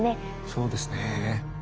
そうですね。